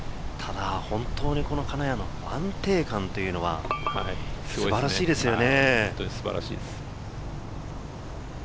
本当に金谷の安定感というのは素晴らしいですよね。